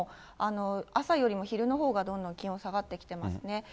朝よりも昼のほうがどんどん気温下がってきてますね。